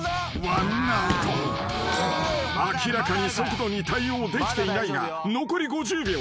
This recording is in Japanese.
［明らかに速度に対応できていないが残り５０秒］